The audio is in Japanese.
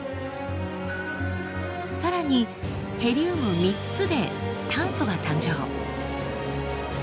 さらにヘリウム３つで炭素が誕生。